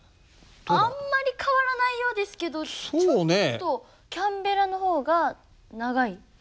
あんまり変わらないようですけどちょっとキャンベラのほうが長い？